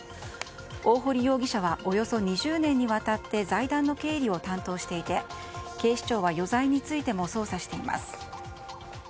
大堀容疑者はおよそ２０年にわたって財団の経理を担当していて警視庁は余罪についても捜査しています。